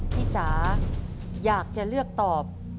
จ๋าอยากจะเลือกตอบ